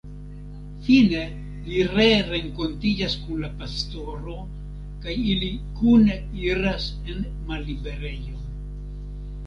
Fine li ree renkontiĝas kun la pastoro kaj ili kune iras en malliberejon.